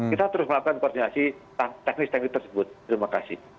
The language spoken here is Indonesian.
kita terus melakukan koordinasi teknis teknis tersebut terima kasih